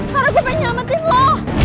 karena gue pengen nyametin lo